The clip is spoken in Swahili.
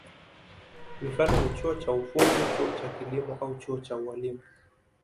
Mifano ni chuo cha ufundi, chuo cha kilimo au chuo cha ualimu.